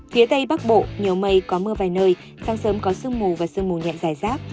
phía tây bắc bộ nhiều mây có mưa vài nơi sáng sớm có sương mù và sương mù nhẹ dài rác